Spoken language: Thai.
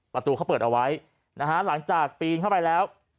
ประตูเขาเปิดเอาไว้นะฮะหลังจากปีนเข้าไปแล้ว